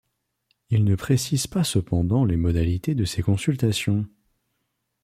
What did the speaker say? Ils ne précisent pas cependant les modalités de ces consultations.